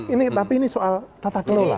ini tapi ini soal tata kelola